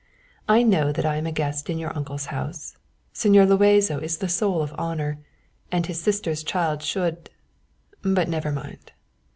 I know that I am a guest in your uncle's house. Señor Luazo is the soul of honour, and his sister's child should but never mind.